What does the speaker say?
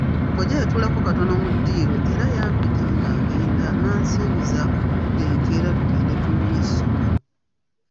Kkojja yatuulako katono mu ddiiro era yampita ng'agenda n'ansuubiza okudda enkeera tugende tunoonye essomero.